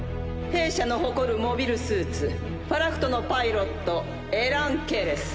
弊社の誇るモビルスーツファラクトのパイロットエラン・ケレス。